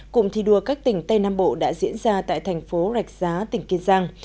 cụm thi đua các tỉnh tây nam bộ đã diễn ra tại thành phố rạch giá tỉnh kiên giang